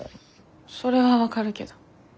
それは分かるけど。